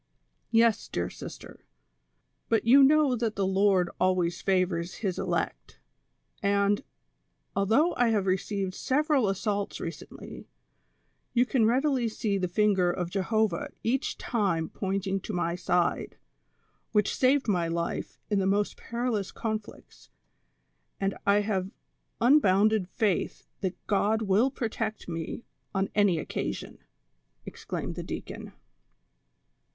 " Yes, dear sister ; but j'ou know that the Lord always favors His elect ; and, altliougli I have received several assaults recently, you can readily see the finger of Jehovah each time pointing to my side, which saved my life in the 218 THE SOCIAL WAR OF 1900; OR, most perilous conflicts, and I have unbounded faith that God will protect me on any occasion," exclaimed the deacon.